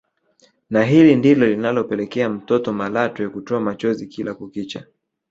Na hili ndilo linalopelekea mtoto Malatwe kutoa machozi kila kukicha